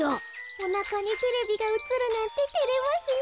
おなかにテレビがうつるなんててれますねえ。